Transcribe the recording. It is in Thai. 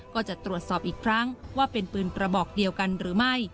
ก็จะตรวจสอบอีกครั้งว่าเป็นปืนกระบอกเดียวกันหรือไม่